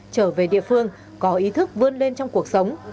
trở về địa phương có ý thức vươn lên trong cuộc sống